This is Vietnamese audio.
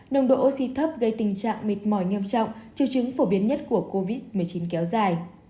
nồng độ oxy thấp gây tình trạng mệt mỏi nghiêm trọng triệu chứng phổ biến nhất của covid một mươi chín kéo dài